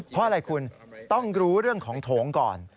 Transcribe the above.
เพราะอะไรคุณต้องรู้เรื่องของโถงก่อน